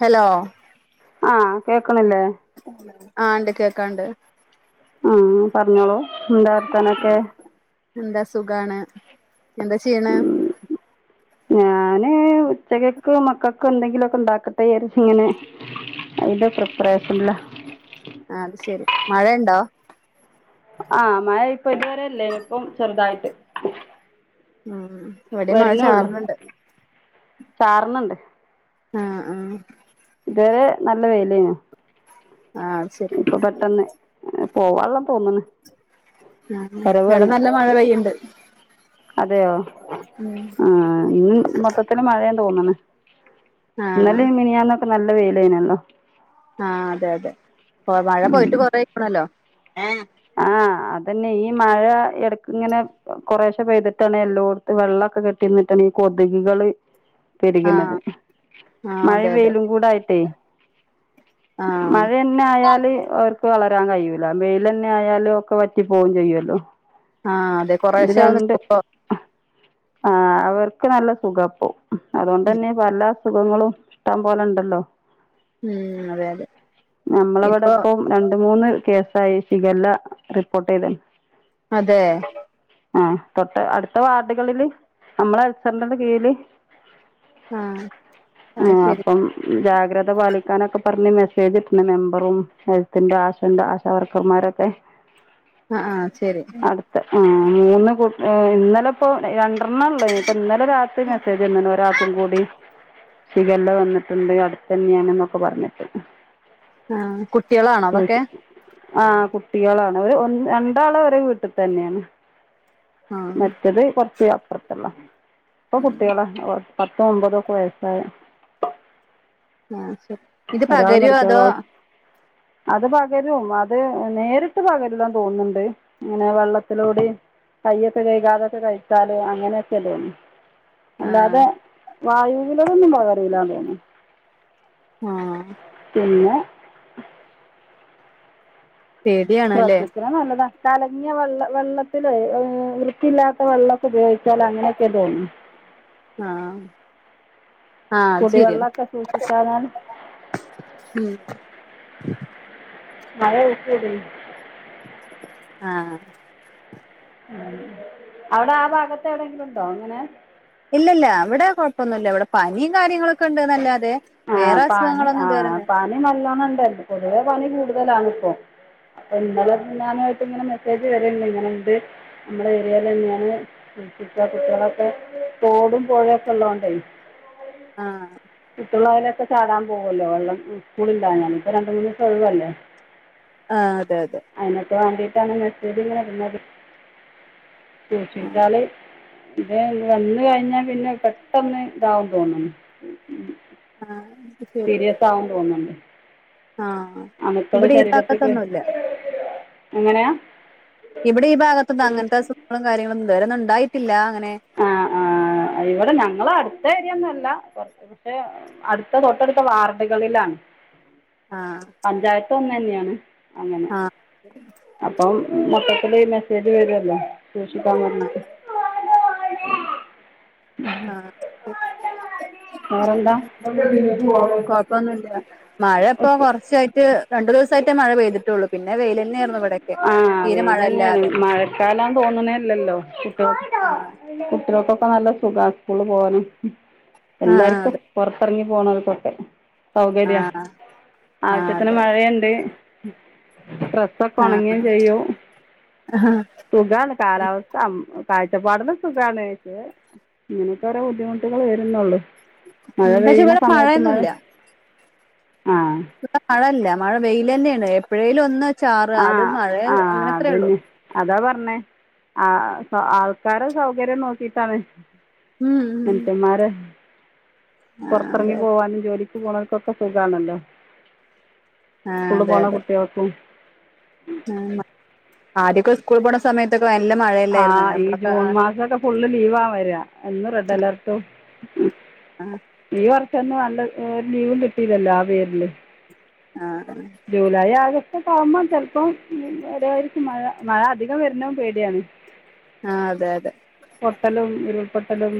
Hello ആഹ് കേക്കണില്ലേ ആഹ് ണ്ട് കേക്കാണ്ട് അഹ് പറഞ്ഞോളൂ എന്താ. വർ ത്താനൊക്കെ എന്താ സുഖാണ് എന്താ ചെയ്യണ് ഞാന് ഉച്ചകക്കോ മക്കൾക്കോ എന്തെങ്കിലുമ ഒക്കെ ഉണ്ടാക്കട്ടെരിച്ച ഇങ്ങനെ അയിന്റെ പ്രപേർഷ്‌ഷനിലാ ആഹ് അത് ശെരി മഴയണ്ടോ ആഹ് മഴ ഇപ്പൊ ഇതുവരെല്ലേ ഇപ്പം ചെറുതായിട്ട് ഉം ഇവിടെ മഴ വരുന്നേ ഉള്ളു ചാറുന്നുണ്ട് ചാ റിനണ്ട് ആഹ് ആഹ് ഇതുവരെ നല്ല വേലേന ആ അത് ശരി ഇപ്പൊ പെട്ടെന്ന് പോവള്ളം തോന്നന്ന് ആഹ് എവിടെ നല്ല മഴ പെയ്യുണ്ട് അതെയോ ആഹ് ഇന്ന് മൊത്തത്തിന് മഴേ തോന്നന്ന് ആ ഇന്നെലെ മിനിയാന്നൊക്കെ നല്ല വെയിലനല്ലോ ആഹ് അതെ അതെ മഴ ഉം പോയിട്ട് കൊറക്കണല്ലോ ആഹ് അതന്നെ ഈ മഴ ഇടക്ക് ഇങ്ങനെ കൊറേശെ പെയ്തിട്ടാണ് എല്ലോടത്തും വെള്ളമൊക്കെ കെട്ടിന്നിട്ടാണ് ഈ കൊതുകുകള് ആ പെരുകുണത് ആ മഴ അതെ അതെ വെയിലും കൂട് ആയിട്ടേ ആ മഴ തന്നെ ആയാല് അവർക്ക് വളരാൻ കഴിയൂല വെൽന്നെ ആയാലും ഒക്കെ പറ്റി പോകും ചെയ്യുമല്ലോ ആ അതെ ഇത് കൊറേശ്ശെ ഒന്ന് രണ്ട് ഇപ്പോ ആ അവർക്ക് നല്ല സുഖാ ഇപ്പം. അതോണ്ട് തന്നെ പല അസുഖങ്ങളും ഇഷ്ടം പോലെ ഇണ്ടല്ലോ. ഉം അതെ അതെ നമ്മളവിടെ ഇപ്പൊ ഇപ്പം രണ്ട മൂന്ന് കേസായി ശിഖല്ല റിപ്പോർട്ട് ചെയ്ത്ണ്. അതെ, ആഹ്, തൊട്ട അടുത്ത വാർഡ്കളില് നമ്മള ഹെൽത്ത്‌ സെന്ററിന്റെ കീഴില്. ആ അത് ഏഹ്, ശരി അപ്പം ജാഗ്രത പാലിക്കാനൊക്കെ പറഞ്ഞ് മെസ്സേജ് ഇട്ട്ണ് മെമ്പറും ഹെൽത്തിന്റെ ആശന്റെ ആശാവർക്കർമാരൊക്കെ. ആഹ്, ആഹ് ശെരി. ആ മൂന്ന് കുട്ട് ഇന്നലെ ഇപ്പൊ രണ്ടർണ്ണ ഇള്ളേ, ഇപ്പ ഇന്നലെ രാത്രി മെസ്സേജ് വെന്ന്ണ് ഒരാക്കും കൂടി. ശിഖല്ല വന്നിട്ടുണ്ട് അടുത്ത തന്നെയാണ് എന്നൊക്കെ പറഞ്ഞിട്ട്. ആ കുട്ടിളാണോ അതൊക്കെ? ചോദിച്ചു ആ കുട്ടികളാണ് ഒരു ഒന്ന് രണ്ടാള് ഒര് വീട്ടിത്തെ തന്നെയാണ്. ആ മറ്റത് കൊറച്ച് അപ്പർത്ത്ള്ള, ഇപ്പൊ കുട്ടിളാ പത്ത് ഒമ്പത് ഒക്കെ വയസ്സായ ആഹ്, ശെരി ഇത് ഒരാൾ പകരോ മെഡിക്കൽ അതോ കോളേജ് അത് പകരും, അത് നേരിട്ട് പകര്ല്ലാന്ന് തോന്ന്ണണ്ട്. അങ്ങനെ വെള്ളത്തിലൂടിം കയ്യൊക്കെ കൈകാതൊക്കെ കഴിച്ചാല് അങ്ങനെയൊക്കെല് ആഹ് അല്ലാതെ വായൂവിലൂടൊന്നും പകരൂല തോന്ന്ണ്. ആഹ് പിന്നെ പേടിയാണല്ലേ ശ്രദ്ധിക്ക്ണ നല്ലതാ. കലങ്ങിയ വെള്ള വെള്ളത്തിലെ ഏഹ്, വൃത്തിയില്ലാത്ത വെള്ളൊക്കെ ഉപയോഗിച്ചാലെ അങ്ങനെയൊക്കെ തോന്ന്ണ്. ആഹ്, ആഹ് അത് ശെരിയാണ്. കുടിവെള്ളമൊക്കെ സൂക്ഷിച്ചാൽ ഉം മഴ ഊക്കൂടി. ആഹ് ഉം, അവിടെ ആ ഭാഗത്ത് എവിടെങ്കിലും ഇണ്ടോ ഇങ്ങനെ? ഇല്ലല്ല ഇവിടെ കുഴപ്പൊന്നുല്ല ഇവിടെ പനിയിം കാര്യങ്ങളൊക്കെ ഇണ്ട്ന്നെല്ലാതെ ആ പനി ആ പനി നല്ലോണം ഇണ്ട് പൊതുവെ പനി കൂടുതലാണ് ഇപ്പം. അപ്പ ഇന്നലെ മിനിഞ്ഞാന്ന് ആയിട്ട് ഇങ്ങനെ മെസ്സേജ് വെര്ണ്ട് ഇങ്ങനെ ഇണ്ട് നമ്മളെ ഏരിയേലെന്നെ ആണ് കുൾപ്പിച്ച് കുട്ടിളൊക്കെ തോടും പുഴയൊക്കെ ഇള്ളോണ്ട് ആഹ് കിട്ടുന്നത് ലൊക്കെ ചാടാൻ പോവു അല്ലോ വെള്ളം സ്കൂളില്ലാഞ്ഞാൽ. ഇപ്പം രണ്ട് മൂന്ന് ദിവസം ഒഴിവല്ലേ. ആ അതെ അതെ അയിനൊക്ക വാണ്ടീട്ടാണ് മെസ്സേജ് ഇങ്ങനെ ഇടുന്നത് സൂക്ഷിച്ചാല് ഇതേ ഇത് വന്ന് കഴിഞ്ഞാൽ പിന്നെ പെട്ടെന്ന് ഇതാവും തോന്നുന്നു. ഉം ഉം ആഹ് [unintelligible] [unintelligible] ആവും തോന്ന്ണ്ട്, ആഹ് അണുക്കള് ഇവിടെ ഈ ശരീരത്ത്ക്ക് ഭാഗത്തൊന്നുല്ല എങ്ങനെയാ? ഇവിടെ ഈ ഭാഗത്ത് ഒന്നു അങ്ങൻത്തെ അസുഖങ്ങളും കാര്യങ്ങളൊന്നും ഇതുവരെ ഒന്നു ഇണ്ടായിട്ടില്ല അങ്ങനെ. ആഹ്, ആഹ് ഇവിടെ ഞങ്ങള് അട്ത്ത ഏരിയൊന്നു അല്ല പൊർത്ത് പക്ഷെ അടുത്ത തൊട്ടടുത്ത വാർഡ്കളിലാണ്. ആഹ പഞ്ചായത്ത് ഒന്ന് തന്നെയാണ് അങ്ങനെ [inaudible] അപ്പം മൊത്തത്തില്ഈ മെസ്സേജ് വരുല്ലോ സൂക്ഷിക്കാൻ പറഞ്ഞിട്ട് [unintelligible] ആഹ വേറെന്താ [unintelligible] കൊഴപ്പൊന്നുംല്ല മഴ ഇപ്പ ഓക്കെ കുറച്ചായി റ്റ് രണ്ടു ദിവസമായിട്ട മഴ പെയ്തി ള്ളൂ പിന്നെ വെയിലെന്നെയായിരുന്നു ഇവിടെക്കെ ആഹ തീരെ വെയിൽ തന്നെയാണ് മഴയില്ലാതെ മഴക്കാലന്ന് തോന്നുന്നല്ലല്ലോ കുട്ടേ ആഹ് കുട്ടികൾക്കൊക്കെ നല്ല സുഖാ സ്കൂള് പോകാനും ആഹ് എല്ലാർക്കും അതെ പോറത്തിറങ്ങി പോന്നൽക്കൊക്കെ സൗകര്യ ആഹ് ആഹ് ആവശ്യത്തിന് അതെ മഴയുണ്ട് ആഹ് ഡ്രസ്സ്ക്കെഉണങ്ങേം ചെയും സുഖാണ് കാലാവസ്ഥ മ് കാഴ്ചപ്പാടന്ന് സുഖാണ് പക്ഷേ ഇങ്ങനെയൊക്കെ ഒരേ ബുദ്ധിമുട്ടുകൾ വരുന്നുള്ളു മഴ പക്ഷെ പെയ്യുന്ന ഇവിടെ സമയത്ത് മഴ മഴയൊന്നുല്ല ആഹ ഇവിടെ മഴല്ല മഴ വെയില് തന്നെയാണ് എപ്പോഴേലും ഒന്ന് ചാറ് അത് മഴ അങ്ങനെ അത്രേ ഉള്ളു അതാ പറഞ്ഞെ ആ സെ ആൾക്കാര സൗകര്യം നോക്കിട്ടാണ് ഉം ഉ മനുഷ്യൻമാര് ആഹ് പൊറത്തിറങ്ങി അതെ പോവാനും ജോലിക്ക് പോണെൽക്കൊക്കെ സുഖാണല്ലോ ആഹ് സ്കൂള് പോണ കുട്ടികൾക്കും ഉ മ ആദ്യൊക്കെ സ്കൂളൽ പോണ സമയത്തൊക്കെ നല്ല ആ മഴയല്ലായിരുന്നെ ഈ നമ്മളൊക്കെ ജൂൺ ആ മാസമൊക്കെ ഫുള്ള് ലീവ വരാ എന്നും റെഡ് അലർട്ടും ആഹ് ഈ വർ ക്ഷൊന്നും വന്ന് ഒരു ലീവും കിട്ടിയിലല്ലോ ആ പേരില് ആഹ ജൂലൈ ആഗസ്റ്റ് ഒക്കെ ആവുമ്പോ ചിലപ്പോം വരോയ്ക്കും മഴ മഴ അധികം വരുന്നതും പേടിയാണ് ആ അതെ അതെ പൊട്ടലും ഉരുൾപൊട്ടലും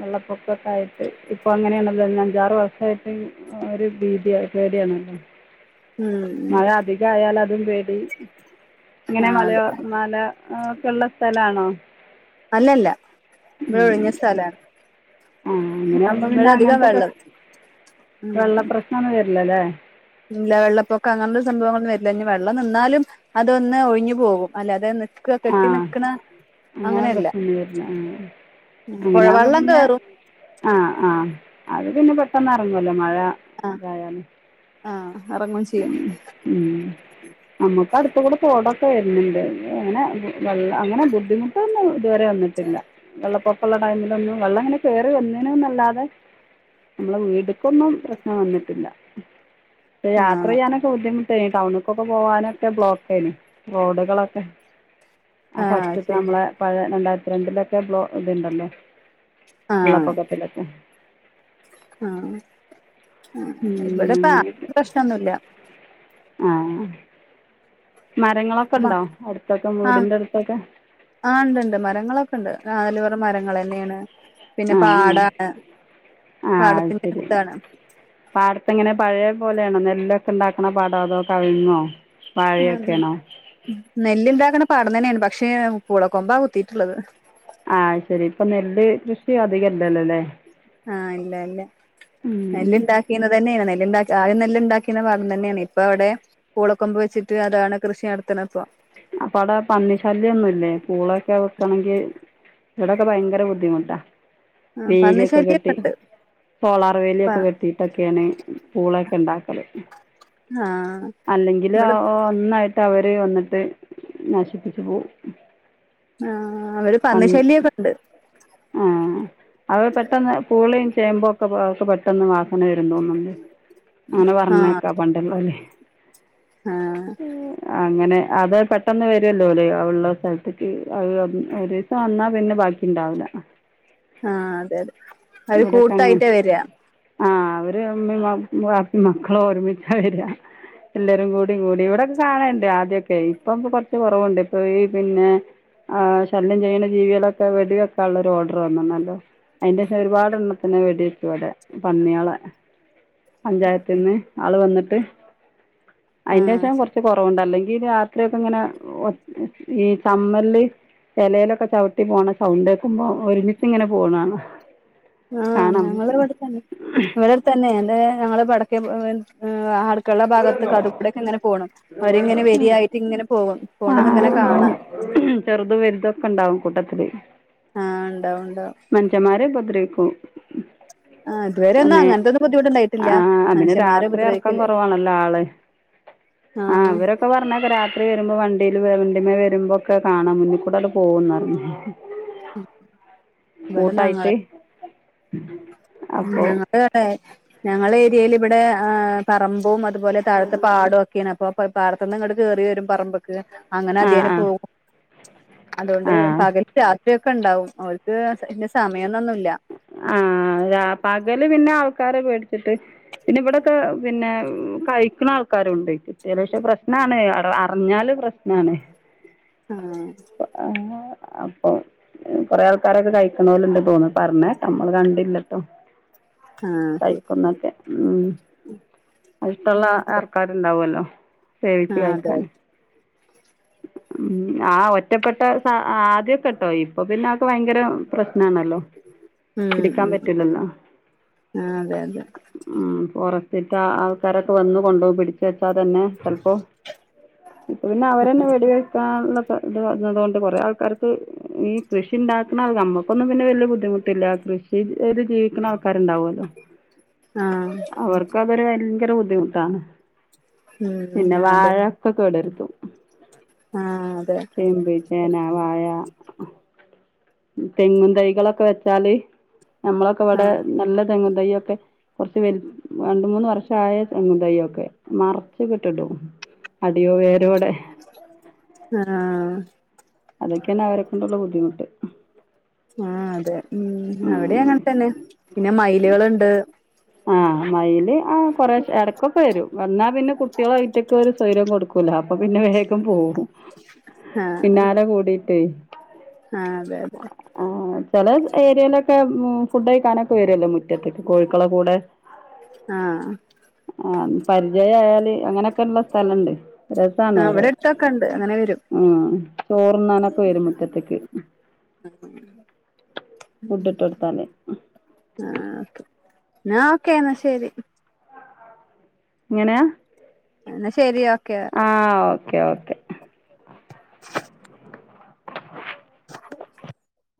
വെള്ളപ്പൊക്കൊക്കെ ആയിട്ട് ഇപ്പൊ അങ്ങനെയാണല്ലോ ഈ അഞ്ചാറ് വർഷായിട്ട് ഒരു ഭീതി പേടിയാണല്ലോ ഉം ഉം മഴ അധികായാല് അതും പേടി ഇങ്ങനെ ആഹ് മലയ അതെ മല ഓക്കെള്ള സ്ഥലാണോ അല്ലല്ല ഇബടെ ഒഴിഞ്ഞ സ്ഥലാണ് ആ ഉം അങ്ങനെയാകുമ്പോൾ പിന്നെ ഇവിടധികം അങ്ങനത്തെ വെള്ള പ്രശ്നം വെള്ള ഉം പ്രശ്നൊന്നും വെര്ല്ലല്ലേ ഇല്ല വെള്ളപ്പൊക്കം അങ്ങനുള്ള സംഭവങ്ങളൊന്നും വരില്ല ഇനി വെള്ളം നിന്നാലും അതൊന്ന് ഒഴിഞ്ഞു പോകും അല്ലെതെ നിക്ക് ആ കെട്ടി നിക്ക്ണ അങ്ങനെ പ്രശ്നൊന്നും വരില്ല ആ ഉം അങ്ങനെ ആവുമ്പോ പുഴവെള്ളം പിന്നെ കേറും ആഹ് ആഹ് അത് പിന്നെ പെട്ടെന്ന് എറങ്ങല്ലോ മഴ ആഹ് ഇന്തായല് ആഹ് എറങ്ങും ചെയും നമ്മുക്ക് അടുത്ത് കൂടെ തോടൊക്കെ വരുന്നുണ്ട് അങ്ങനെ വൽ അങ്ങനെ ബുദ്ധിമുട്ട് ട്ടെന്നും ഇതുവരെ വന്നിട്ടില്ല വെള്ളപ്പൊക്കള്ള ടൈമിലൊന്നും വെള്ളം ഇങ്ങനെ കേറി വന്നീനുന്നല്ലാതെ നമ്മെളെ വീട്ക്കൊന്നും പ്രശ്നം വന്നിട്ടില്ല ഹെ യാത്ര ആഹ് ചെയ്യാനൊക്കെ ബുദ്ധിമുട്ടായിന് ടൗണിക്കൊക്കെ പോവാനൊക്കെ ബ്ലോക്ക് ആയിന് റോഡുകളൊക്കെ ആ ആഹ് ഫസ്റ്റ്ത്തെ ശരി നമ്മളെ പഴേ രണ്ടായിരത്തി രണ്ടിലൊക്കെ ബ്ലോ ഇത്ണ്ടല്ലോ ആഹ് വെള്ളപ്പൊക്കത്തിലൊക്കെ ആഹ് ഇവിടെപ്പ അങ്ങനെയൊക്കെ പ്രശ്നൊന്നുല്ല ആഹ് മരങ്ങളൊക്കെണ്ടോ അടുത്തൊക്കെ ആഹ് വീടിൻ്റെ അടുത്തൊക്കെ ആഹ് ണ്ട്ണ്ട് മരങ്ങളൊക്കെണ്ട് നാല് പൊറം മരങ്ങളന്നെണ് പിന്നെ ആ പാടാണ് പാടത്തിന്റെ അട്ത്താണ് പാട്ത്തെങ്ങനെ പഴയ പോലെയാണോ നെല്ലൊക്കെണ്ടാക്ക്ണ പാടോ അതോ കവിങ്ങോ വാഴയൊക്കെയണോ നെല്ല്ണ്ടാക്ക്ണ പാടം തന്നെണ് പക്ഷേ പൂള കൊമ്പാ കുത്തിട്ടുള്ളത് ആഹ് ശെരി ഇപ്പൊ നെല്ല് കൃഷി അധികല്ലല്ലോ ല്ലേ ആഹ് ഇല്ല ല്ല നെല്ല് ണ്ടാ ചെയ്യ്ന്നതെന്നെയാണ് നെല്ല് ണ്ടാക്ക ആദ്യം നെല്ല് ണ്ടാക്കിന്ന പാടം തന്നെണ് ഇപ്പൊ അവിടെ പൂളക്കൊമ്പ് വെച്ചിട്ട് അതാണ് കൃഷി നടത്ത്ണ് പ്പൊ അപ്പൊ അവിടെ പന്നി ശല്യൊന്നും ഇല്ലേ പൂളൊക്കെ വെക്കണെങ്കി ഇവിടൊക്കെ ഭയങ്കര ബുദ്ധിമുട്ടാ ആഹ് പന്നി വേലിയൊക്കെ കെട്ടി ശല്യൊക്കെണ്ട് സോളാർ പ വേലിയൊക്കെ കെട്ടിയിട്ടൊക്കെണ് പൂളൊക്കെ ണ്ടാക്കല് ആഹ് അല്ലെങ്കിൽ ഇവിടെ ഒ ഒന്നായിട്ട് അവര് വന്നിട്ട് നശിപ്പിച്ച് പോവും ആഹ് ഇവിടെ പന്നിശല്യൊക്കെണ്ട് ഏഹ് അവ പെട്ടെന്ന് പൂളയും ചേമ്പോക്കെ പ അവക്ക് പെട്ടെന്ന് വ ങ്ങനെ വെരുംതോന്നും ലേ അങ്ങനെ ആഹ് പറഞ്ഞേക്കാ പണ്ടുള്ളോര് ആഹ് അങ്ങനെ അത് പെട്ടെന്ന് വരുല്ലോ ഓല് അവള്ള സ്ഥലത്ത്ക്ക് അ ഒരീസം വന്നാ പിന്നെ ബാക്കി ണ്ടാവൂല്ല ആഹ് അതെ അതെ അവര് ഇവിടക്കെങ്ങനെ കൂട്ടായിട്ടാ വരിക ആഹ് അവര് ഇമ്മിം വാ വാപ്പിം മക്കളും ഒര്മിച്ചാ വരാ എല്ലരും കൂടി കൂടി ഇവിടെക്കെ കാണേണ്ട് ആദ്യോക്കെ ഇപ്പൊംപ്പൊ കൊറച്ച് കുറവുണ്ട് ഇപ്പൊ ഈ പിന്നെ ആഹ് ശല്യം ചെയ്യുന്ന ജീവികളൊക്കെ വെടിവൊക്കാന്ള്ളൊരു ഓർഡർ വന്ന്ണല്ലോ ഒരുപാട്ണ്ണത്തിനെ വെടി വെച്ചു ഇവിടെ പന്നിയാളെ പഞ്ചായത്തിന്ന് ആള് വന്നിട്ട് ആഹ് അയിന്റെഷം കൊറച്ച് കൊറവുണ്ട് അല്ലെങ്കിൽ രാത്രിയൊക്കെ ഇങ്ങനെ ഈ ചമ്മൽല് ചെലെലൊക്കെ ചവിട്ടി പോണ സൗണ്ട്ക്കുമ്പോ ഒരുമിച്ച് ഇങ്ങനെ പോവ്ണാണ ആഹ് ഞങ്ങളെ വീട് വടേതെന്നെ ഇവിടടുത്തന്നെ എന്റെ ഞങ്ങള് വടക്കേ ഏഹ് ആ ക്കളെ പോയിരുന്നോ ഭാഗത്ക്ക് അതുകൂടെക്കെങ്ങനെ പോണം അവരിങ്ങനെ വരിയായിട്ട് ഇങ്ങനെ പോവാ അഹ് ആഹ് ചെറുതും വലുതൊക്കെ ണ്ടാവും കൂട്ടത്തില് ആഹ് ണ്ടാവും ണ്ടാവും. മനുഷ്യമ്മാരെ ഉപദ്രവിക്കും. ആഹ് ഇതുവരെ ഒന്നും അന്നേ അങ്ങനത്തൊന്നും ബുദ്ധിമുട്ടുണ്ടായിട്ടില്ല അഹ് ആഹ് അതിന് മനുഷ്യന്മാരെ രാത്രി ഇറക്കം ഉപദ്രവിക്കല് കുറവാണല്ലോ ആള്. ആഹ് ആവരൊക്കെ പറഞേക്ക രാ ത്രി വരുമ്പോ വണ്ടിയില് വണ്ടിമേ വരുമ്പോക്കെ കാണാം മുന്നിക്കൂടെട് പോവുംന്നർഞ് ഉം കൂട്ടായിട്ട്. അപ്പോ ഞങ്ങടെവ്ടേ ഞങ്ങള ഏരിയേല് ഇവിടെ ഏഹ് പറമ്പും അതുപോലെ താഴത്ത പാടവും ഒക്കെണ് അപ്പൊ. പ്പ പാടത്തുന്ന് ഇങ്ങട്ട് കേറി വരും പറമ്പ്ക്ക് അങ്ങനെ ആ അധേന ആ പോഉ അതോണ്ട് ആ പകലും രാത്രിയൊക്ക ഇണ്ടാവും ഓർക്ക് ഇന്റെ സമയൊന്നുന്നില്ല. ആഹ് രാ പകല് പിന്ന ആൾക്കാരെ പേട്ച്ചിട്ട് പിന്ന ഇവടക്കെ. പിന്നെ കഴ്ക്ക്ണ ആൾക്കാരുണ്ട് കിട്ടിയാല് പക്ഷെ പ്രശ്നാണ് അറിഞ്ഞാല് പ്രശ്നാണ്. ആഹ്. അപ്പൊ ഏഹ് കൊറേ ആൾക്കാരൊക കഴ്ക്കേണോല്ണ്ട് തോന്ന്ണു പർഞ്ഞേക നമ്മള് കണ്ടില്ലട്ടൊ. ആഹ് ശരി കഴ്ക്കുന്നൊക്കെ ഉം ഇഷ്ട്ടുള്ള ആർ. ആൾക്കാര്ണ്ടാവല്ലൊ സേവിച്ച് ആഹ് അതെ കഴിക്കാന്. [inaudible] ഉം ആഹ് ഒറ്റപ്പെട്ട ആദ്യൊക്കട്ടോ ഇപ്പൊ പിന്നെ അതൊക്ക ഭയങ്കര പ്രശ്നാണല്ലൊ. ഉം പിടിക്കാൻ ഉം പറ്റൂലല്ല. ആഹ് അതെ ഉം ഫോറസ്റ്റിലെ ആൾക്കാരൊക്ക വന്ന് കൊണ്ടോവും പിടിച്ച് വച്ച തന്നെ. ചെൽപ്പൊ ഇപ പിന്നെ അവരെന്നെ വെടി വെക്കാ. ഇത് പറന്നതുക കൊണ്ട് കൊറേ ആൾക്കാർക്ക് ഈ കൃഷി ഇണ്ടാക്ക്ണ നമ്മക്കൊന്നും പിന്നെ വല്യ ബുദ്ധിമുട്ട്. പില്ല കൃഷി ചീത് ജീവിക്ക്ണ ആൾക്കാര്ണ്ടാവോല്ലൊ ആഹ് അവർക്ക അതൊരു ഭയങ്കര ബുദ്ധിമുട്ടാണ് ഉം പിന്ന അതെ വാഴൊക്ക കേടർത്തും. ആഹ് അതെ. ചേമ്പ്, ചേന, വാഴ. തെങ്ങും തൈകളൊക്ക വെച്ചാല് നമ്മളൊക്കെ ആഹ് ഇവടെ ആഹ് നല്ല തെങ്ങും തയ്യൊക്കെ. കൊറ്ച്ച് വൽ രണ്ട് മൂന്ന് വർഷായ തെങ്ങും തയ്യൊക്കെ മറ്ച്ച് കെട്ടിടും. അടിയോ വേരോടെ. ആഹ്. അതൊക്കേണ് അവരെ കൊണ്ട്ള്ള ബദ്ധിമുട്ട്. ആഹ് അതെ ഉം അവടെ അങ്ങൻ തന്നെ പിന്നെ മയിലുകള്ണ്ട്. ആഹ് മയില്. ആഹ് കൊറേശെ എടക്കൊക്കെ വരും വന്ന പിന്ന കുട്ടികള് അയ്റ്റൊക്കൊരു സ്വൊയ്ര്യം കൊട്ക്കൂല അപ്പൊ പിന്നെ വേഗം പോകും. ആഹ് ആഹ് ആഹ് അതെ അതെ. ആഹ് ചെലേ ഏരിയിലൊക്കെ ഉം ഫുഡ്ഡ് കഴിക്കാനൊക്ക വരല്ലൊ മുറ്റത്ത്ക്ക് കോഴ്ക്കളെ കൂടെ. ആഹ്. ആഹ് പരിചയായാല് അങ്ങനെക്ക്ള്ള സ്ഥലണ്ട് രസാണ് അവരെ. ക്കണ്ട് അങ്ങനെ വരും. ആഹ് ചോറ്ന്നാനൊക്ക വരും മുറ്റത്ത്ക്ക്. ഉം ഫുഡ്ഡ് ഇട്ടൊട്ത്താല്. ആഹ് ഓകെ ഇന്ന ഓക്കെ ഇന്ന ശരി. ഇങ്ങനയ. ഇന്ന ശരി ഓക്കെ ആഹ് ഓക്കെ ഓക്കെ